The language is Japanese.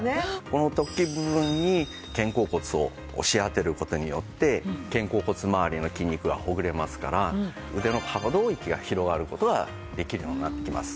この突起部分に肩甲骨を押し当てる事によって肩甲骨回りの筋肉がほぐれますから腕の可動域が広がる事ができるようになってきます。